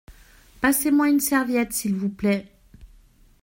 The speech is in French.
Passez-moi une serviette s’il vous plait.